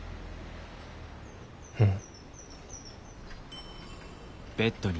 うん。